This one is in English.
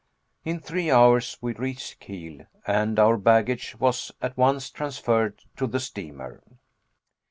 In three hours we reached Kiel, and our baggage was at once transferred to the steamer.